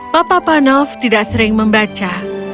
papa panov tidak sering membaca